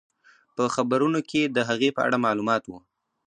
په خبرونو کې د هغې په اړه معلومات وو.